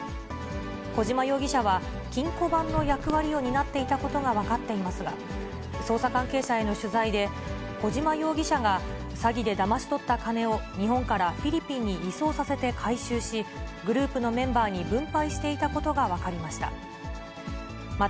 小島容疑者は金庫番の役割を担っていたことが分かっていますが、捜査関係者への取材で、小島容疑者が、詐欺でだまし取った金を日本からフィリピンに移送させて回収し、グループのメンバーに分配していたことが分かりました。